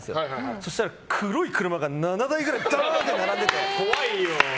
そしたら、黒い車が７台ぐらいダーって並んでて。